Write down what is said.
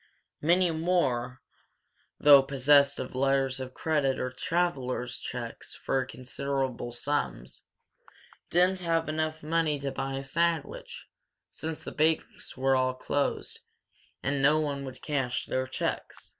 Many more, though possessed of letters of credit or travellers' checks for considerable sums, didn't have enough money to buy a sandwich; since the banks were all closed and no one would cash their checks.